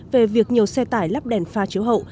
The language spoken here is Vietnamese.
về việc nhiều xe tải lắp đèn pha chiếu hậu